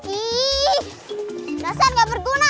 ih dasar gak berguna